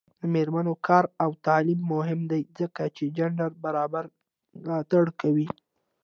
د میرمنو کار او تعلیم مهم دی ځکه چې جنډر برابرۍ ملاتړ کوي.